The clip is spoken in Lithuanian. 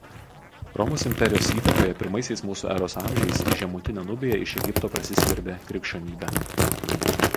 Romos imperijos įtakoje pirmaisiais mūsų eros amžiais į Žemutinę Nubiją iš Egipto prasiskverbė krikščionybė.